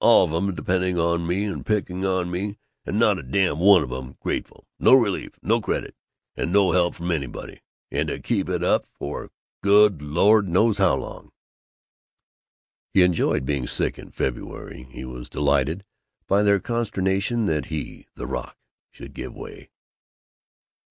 All of 'em depending on me and picking on me and not a damn one of 'em grateful! No relief, and no credit, and no help from anybody. And to keep it up for good Lord, how long?" He enjoyed being sick in February; he was delighted by their consternation that he, the rock, should give way.